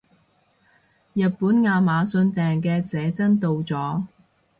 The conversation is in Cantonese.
日本亞馬遜訂嘅寫真到咗